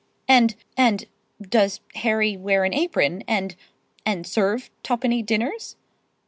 "And—and—does Harry wear an apron—and—and serve twopenny dinners?"